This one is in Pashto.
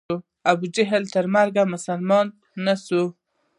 ابو جهل تر مرګه مسلمان نه سو.